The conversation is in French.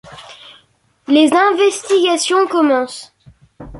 Les investigations commencent...